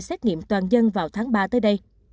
xét nghiệm toàn dân vào tháng ba tới đây